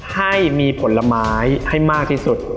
ให้มีผลไม้ให้มากที่สุด